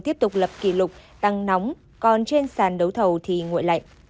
tiếp tục lập kỷ lục tăng nóng còn trên sàn đấu thầu thì nguội lạnh